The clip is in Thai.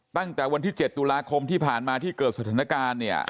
ตั้งแต่วันที่๗ตุลาคมที่ผ่านมาที่เกิดสถานการณ์เนี่ย